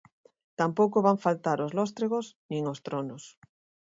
Tampouco van faltar os lóstregos nin os tronos.